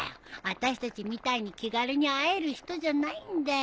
あたしたちみたいに気軽に会える人じゃないんだよ。